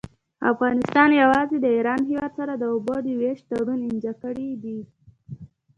افغانستان يوازي د ايران هيواد سره د اوبو د ويش تړون امضأ کړي دي.